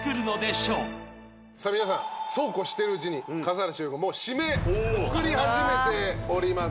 皆さんそうこうしてるうちに笠原シェフがもう締め作り始めております。